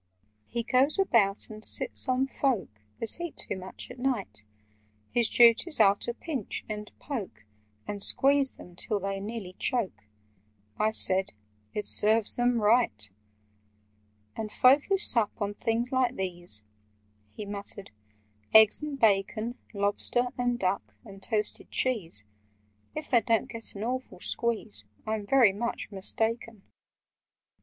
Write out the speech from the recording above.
"He goes about and sits on folk That eat too much at night: His duties are to pinch, and poke, And squeeze them till they nearly choke." (I said "It serves them right!") "And folk who sup on things like these—" He muttered, "eggs and bacon— Lobster—and duck—and toasted cheese— If they don't get an awful squeeze, I'm very much mistaken!